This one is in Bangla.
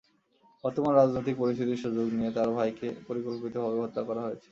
বর্তমান রাজনৈতিক পরিস্থিতির সুযোগ নিয়ে তাঁর ভাইকে পরিকল্পিতভাবে হত্যা করা হয়েছে।